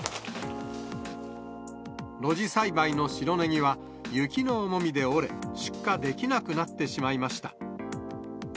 露地栽培の白ネギは、雪の重みで折れ、出荷できなくなってしまいました。